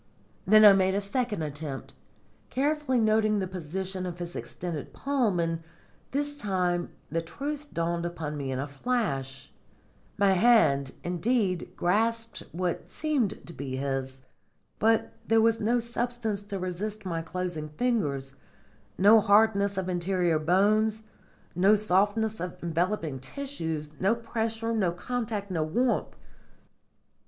Then I made a second attempt, carefully noting the position of his extended palm, and this time the truth dawned upon me in a flash. My hand, indeed, grasped what seemed to be his. But there was no substance to resist my closing fingers, no hardness of interior bones, no softness of enveloping tissues, no pressure, no contact, no warmth.